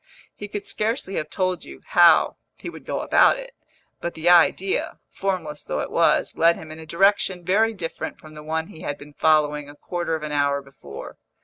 He could scarcely have told you how he would go about it; but the idea, formless though it was, led him in a direction very different from the one he had been following a quarter of an hour before.